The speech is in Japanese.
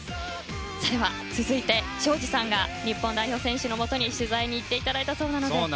では続いて庄司さんが日本代表選手のもとに取材に行っていただいたそうなので。